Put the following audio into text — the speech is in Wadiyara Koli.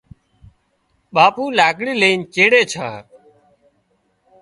ٻاپو لاڪڙي لئينش چيڙي ڇا